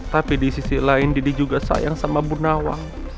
tapi di sisi lain didi juga sayang sama burnawa